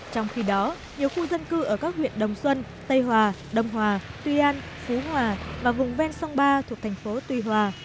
trong khi đó nhiều khu dân cư ở các huyện đồng xuân tây hòa đông hòa tuy an phú hòa và vùng ven sông ba thuộc thành phố tuy hòa